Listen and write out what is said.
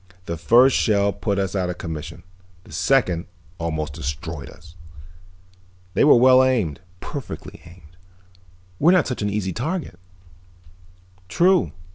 The first shell put us out of commission, the second almost destroyed us. They were well aimed, perfectly aimed. We're not such an easy target." "True."